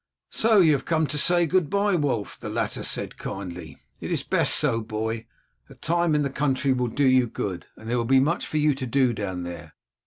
"So you have come to say good bye, Wulf," the latter said kindly; "it is best so, boy. A time in the country will do you good, and there will be much for you to do down there.